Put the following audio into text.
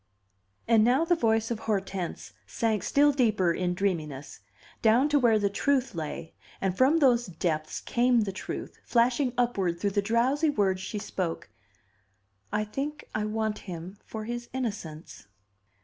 And now the voice of Hortense sank still deeper in dreaminess, down to where the truth lay; and from those depths came the truth, flashing upward through the drowsy words she spoke: "I think I want him for his innocence."